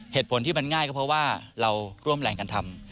เหตุผลที่มันง่ายก็เพราะว่าเราร่วมแรงกันทำ